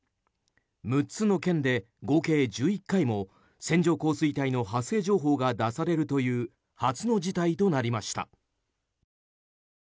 ６つの県で合計１１回も線状降水帯の発生情報が出されるという初の事態となりました。